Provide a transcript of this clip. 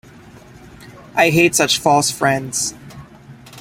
I hate such false friends.